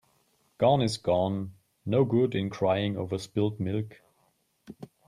Gone is gone. No good in crying over spilt milk.